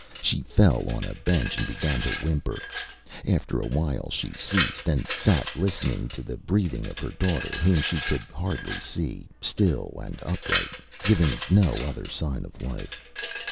She fell on a bench and began to whimper. After a while she ceased, and sat listening to the breathing of her daughter, whom she could hardly see, still and upright, giving no other sign of life.